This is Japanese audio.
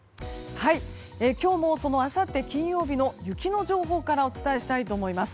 今日も、あさって金曜日の雪の情報からお伝えしたいと思います。